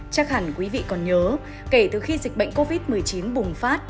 chắc hẳn quý vị còn nhớ kể từ khi dịch bệnh covid một mươi chín bùng phát